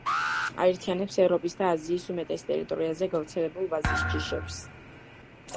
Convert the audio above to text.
აერთიანებს ევროპის და აზიის უმეტეს ტერიტორიაზე გავრცელებულ ვაზის ჯიშებს.